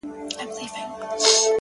• د څرمنو له بد بویه یې زړه داغ وو ,